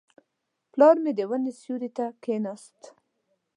پلار مې د ونې سیوري ته کښېناست.